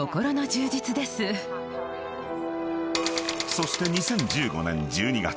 ［そして２０１５年１２月］